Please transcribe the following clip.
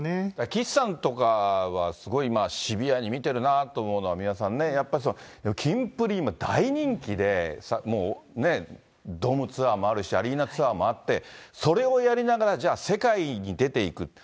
岸さんとかは、すごいシビアに見てるなぁと思うのは、三輪さんね、キンプリ、今大人気で、もうね、ドームツアーもあるし、アリーナツアーもあって、それをやりながら、じゃあ、世界に出ていく。